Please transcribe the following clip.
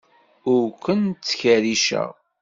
Ur ken-ttkerriceɣ.